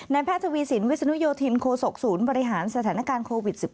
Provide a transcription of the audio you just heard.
แพทย์ทวีสินวิศนุโยธินโคศกศูนย์บริหารสถานการณ์โควิด๑๙